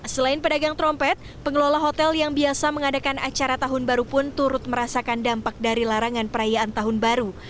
selain pedagang trompet pengelola hotel yang biasa mengadakan acara tahun baru pun turut merasakan dampak dari larangan perayaan tahun baru